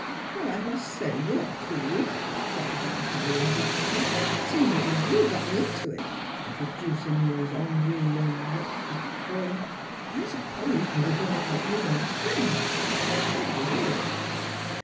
" Well, I must say, you're cool! " cried young Harry indignantly. " Seeing it was you got me into it introducing me as Ong ree Le what you call 'em. ... I supposed you were going to help me learn French. You said you would."